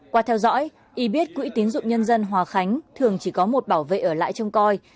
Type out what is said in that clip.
qua theo dõi y biết quỹ tín dụng nhân dân hòa khánh thường chỉ có một bảo vệ ở lại trông coi